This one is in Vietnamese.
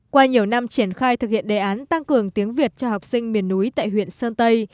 qua nhiều năm triển khai thực hiện đề án tăng cường tiếng việt cho học sinh miền núi tại huyện sơn tây